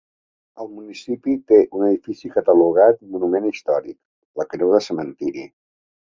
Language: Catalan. El municipi té un edifici catalogat monument històric, la creu de cementiri.